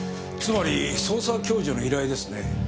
つまり捜査共助の依頼ですね？